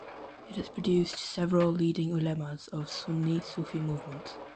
It has produced several leading ulemas of Sunni Sufi movement.